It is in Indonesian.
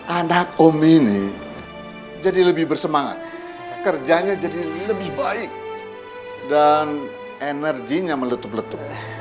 anak om ini jadi lebih bersemangat kerjanya jadi lebih baik dan energinya meletup letup